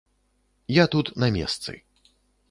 Я тут на месцы.